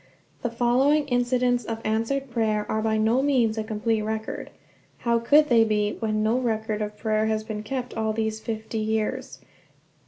The following incidents of answered prayer are by no means a complete record. How could they be, when no record of prayer has been kept all these fifty years?